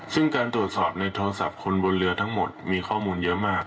ซึ่งการตรวจสอบในโทรศัพท์คนบนเรือทั้งหมดมีข้อมูลเยอะมาก